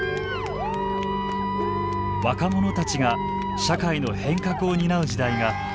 若者たちが社会の変革を担う時代が訪れているのです。